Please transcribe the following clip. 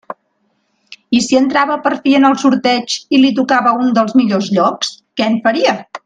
I si entrava per fi en el sorteig i li tocava un dels millors llocs, què en faria?